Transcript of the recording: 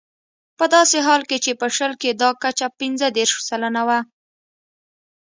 په داسې حال کې چې په شل کې دا کچه پنځه دېرش سلنه وه.